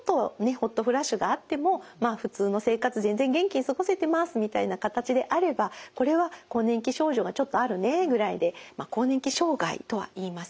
ホットフラッシュがあっても普通の生活全然元気に過ごせてますみたいな形であればこれは更年期症状がちょっとあるねぐらいで更年期障害とはいいません。